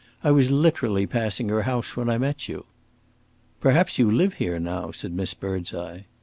I was literally passing her house when I met you." "Perhaps you live here now," said Miss Birdseye.